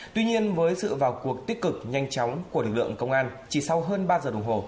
tuy nhiên với sự vào cuộc tích cực nhanh chóng của lực lượng công an chỉ sau hơn ba giờ đồng hồ